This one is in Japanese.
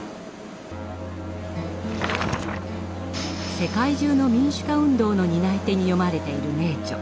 世界中の民主化運動の担い手に読まれている名著